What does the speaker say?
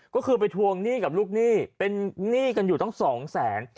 ก็คือไปทวงหนี้กับลูกหนี้เป็นหนี้กันอยู่ตั้งสองแสน